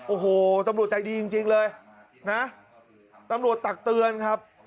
โอ้โหตำรวจใจดีจริงเลยนะตำรวจตักเตือนครับ